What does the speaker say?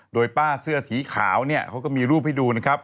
โดยป้าเสื้อสีขาวเนี่ยเขาก็มีรูปให้ดูนะครับ